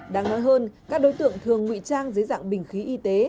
đáng nói hơn các đối tượng thường ngụy trang dưới dạng bình khí y tế